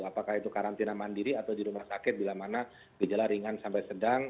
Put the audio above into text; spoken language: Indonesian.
apakah itu karantina mandiri atau di rumah sakit bila mana gejala ringan sampai sedang